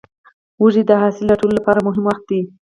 وږی د حاصل راټولو لپاره مهم وخت دی.